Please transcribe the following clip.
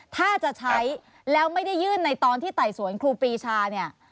ถ้าจะใช้แล้วไม่ได้ยื่นในตอนที่ไต่สวนครูปรีชาเนี่ย